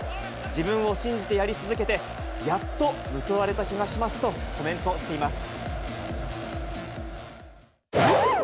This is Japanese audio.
自分を信じてやり続けて、やっと報われた気がしますとコメントしています。